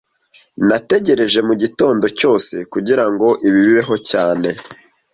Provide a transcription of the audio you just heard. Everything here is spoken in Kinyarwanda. Nategereje mugitondo cyose kugirango ibi bibeho cyane